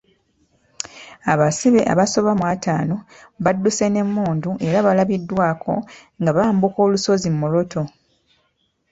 Abasibe abasoba mu attaano badduse n'emmundu era balabiddwako nga bambuka olusozi Moroto.